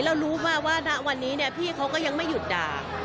แล้วรู้มาว่าณวันนี้พี่เขาก็ยังไม่หยุดด่า